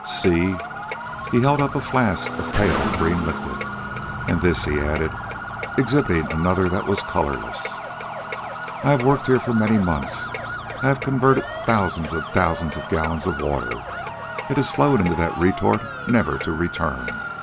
"See?" He held up a flask of pale green liquid. "And this," he added, exhibiting another that was colorless. "I have worked here for many months. I have converted thousands of thousands of gallons of water. It has flowed into that retort, never to return.